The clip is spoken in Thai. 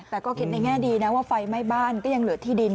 แต่ก็คิดในแง่ดีนะว่าไฟไหม้บ้านก็ยังเหลือที่ดิน